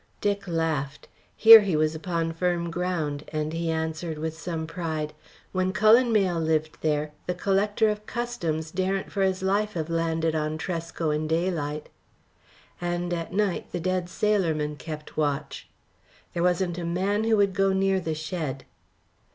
Dick laughed. Here he was upon firm ground, and he answered with some pride: "When Cullen Mayle lived here, the collector of customs daren't for his life have landed on Tresco in daylight." "And at night the dead sailormen kept watch." "There wasn't a man who would go near the shed."